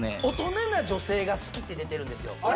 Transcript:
「大人な女性が好き」って出てるんですよ